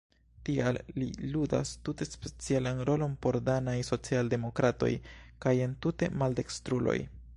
Tial li ludas tute specialan rolon por danaj socialdemokratoj kaj entute maldekstruloj.